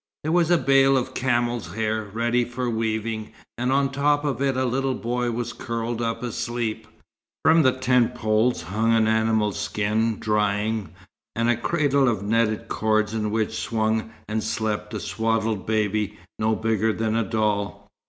There was a bale of camels' hair, ready for weaving, and on top of it a little boy was curled up asleep. From the tent poles hung an animal's skin, drying, and a cradle of netted cords in which swung and slept a swaddled baby no bigger than a doll.